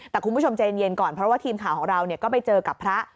แต่คุณผู้ชมใจเย็นก่อนเพราะว่าทีมข่าวของเราก็ไปเจอกับพระ